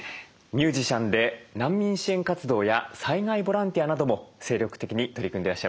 ミュージシャンで難民支援活動や災害ボランティアなども精力的に取り組んでらっしゃいます。